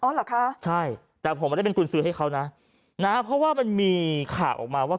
เหรอคะใช่แต่ผมไม่ได้เป็นกุญซื้อให้เขานะนะเพราะว่ามันมีข่าวออกมาว่า